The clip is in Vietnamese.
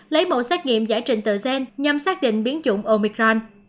lấy mẫu xét nghiệm giải trình tờ gen nhằm xác định biến dụng omicron